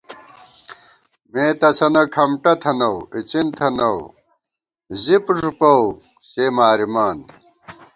مے تسَنہ کھمٹہ تھنَؤ اِڅن تھنَؤ زِپ ݫُپوؤ سے مارِمان